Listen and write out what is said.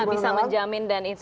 bisa menjamin dan itu